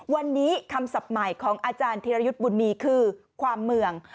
วันนี้คำศัพท์ใหม่ของอาจารย์ธิรยุทธ์บุญมีคือความเมือง